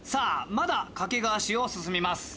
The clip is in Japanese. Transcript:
まだ掛川市を進みます。